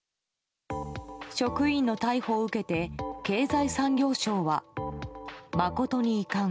職員の逮捕を受けて経済産業省は誠に遺憾。